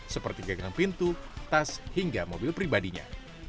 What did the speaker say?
seperti gagang pintu tas hingga mobil pribadinya